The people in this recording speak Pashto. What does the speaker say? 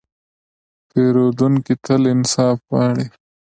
پیرودونکی تل انصاف غواړي.